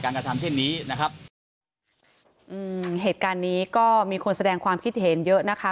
กระทำเช่นนี้นะครับอืมเหตุการณ์นี้ก็มีคนแสดงความคิดเห็นเยอะนะคะ